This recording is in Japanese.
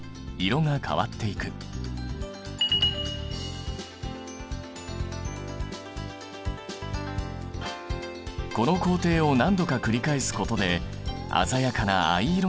この工程を何度か繰り返すことで鮮やかな藍色に染まるんだ。